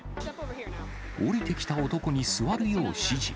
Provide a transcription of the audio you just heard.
降りてきた男に座るよう指示。